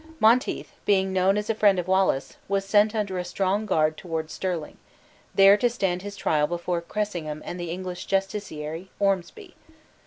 Monteith being known as a friend of Wallace, was sent under a strong guard toward Stirling, there to stand his trial before Cressingham and the English Justiciary, Ormsby.